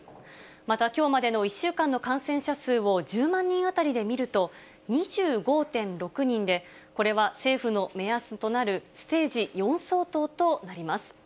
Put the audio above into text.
またきょうまでの１週間の感染者数を１０万人当たりで見ると、２５．６人で、これは政府の目安となるステージ４相当となります。